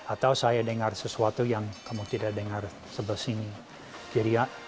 atau saya dengar sesuatu yang kamu tidak dengar sebelah sini ceria